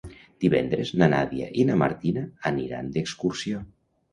Divendres na Nàdia i na Martina aniran d'excursió.